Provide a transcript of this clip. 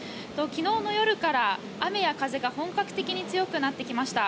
昨日の夜から雨や風が本格的に強くなってきました。